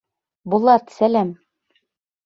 Булат, сәләм!